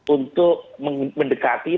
untuk mendekati mengkomunikasikan